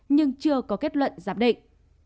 nhưng chưa có kết luận giám định